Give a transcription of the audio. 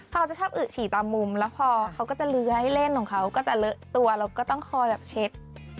เขาจะชอบอึกฉี่ตามมุมแล้วพอเขาก็จะเลื้อยเล่นของเขาก็จะเลอะตัวเราก็ต้องคอยแบบเช็ด